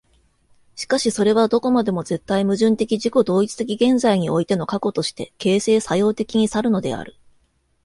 しかしそれはどこまでも絶対矛盾的自己同一的現在においての過去として、形成作用的に然るのである。